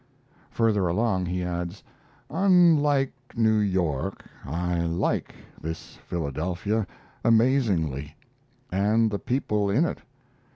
Further along he adds: Unlike New York, I like this Philadelphia amazingly, and the people in it.